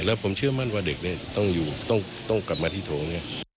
และผมเชื่อมั่นว่าเด็กต้องอยู่ต้องกลับมาที่โถง